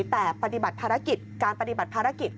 แต่การปฏิบัติภารกิจ